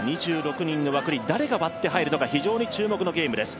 ２６人の枠に誰が割って入るのか非常に注目のゲームです。